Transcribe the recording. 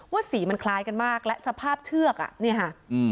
ว่าสีมันคล้ายกันมากและสภาพเชือกนี่ค่ะ